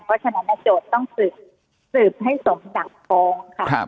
เพราะฉะนั้นโจทย์ต้องสืบให้สมหนักฟ้องค่ะ